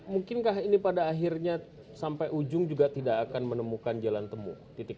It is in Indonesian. mungkinkah ini pada akhirnya sampai ujung juga tidak akan menemukan jalan temu